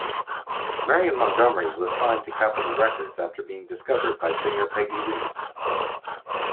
Marion Montgomery was signed to Capitol Records after being discovered by singer Peggy Lee.